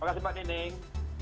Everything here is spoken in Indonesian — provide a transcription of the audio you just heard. terima kasih pak deneng